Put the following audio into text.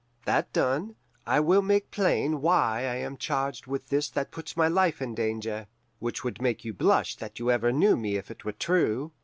That done, I will make plain why I am charged with this that puts my life in danger, which would make you blush that you ever knew me if it were true.